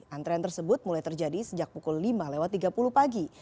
antrean tersebut mulai terjadi sejak pukul lima lewat tiga puluh pagi